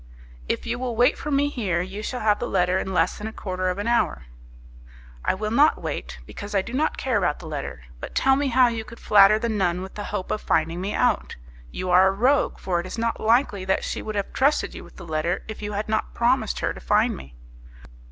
"If you will wait for me here, you shall have the letter in less than a quarter of an hour." "I will not wait, because I do not care about the letter. But tell me how you could flatter the nun with the hope of finding me out? You are a rogue, for it is not likely that she would have trusted you with the letter if you had not promised her to find me."